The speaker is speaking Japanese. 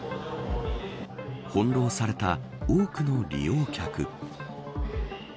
翻弄された多くの利用客。